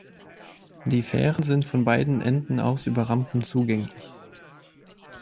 Die Fähren sind von beiden Enden aus über Rampen zugänglich.